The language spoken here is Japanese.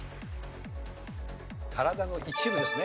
体の一部ですね。